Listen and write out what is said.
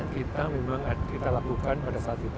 kita memang kita lakukan pada saat itu